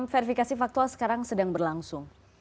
verifikasi faktual sekarang sedang berlangsung